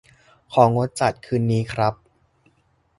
ของดจัดคืนนี้ครับ